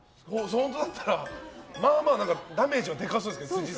本当だったら、まあまあダメージはでかそうですけど。